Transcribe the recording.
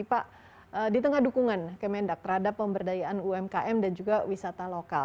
pak di tengah dukungan kemendak terhadap pemberdayaan umkm dan juga wisata lokal